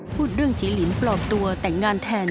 พูดเรื่องเจ๊หลินปลอมตัวแต่งงานแทน